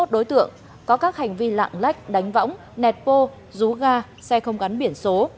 chín mươi một đối tượng có các hành vi lạng lách đánh võng nẹt pô rú ga xe không gắn biển số